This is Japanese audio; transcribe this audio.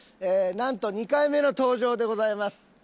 なんと２回目の登場でございます。